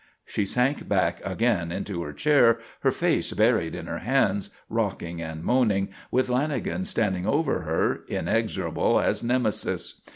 She sank back again into her chair, her face buried in her hands, rocking and moaning, with Lanagan standing over her, inexorable as Nemesis.